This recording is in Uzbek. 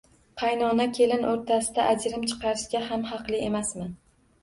Qaynona kelin o`rtasida ajrim chiqarishga ham haqli emasman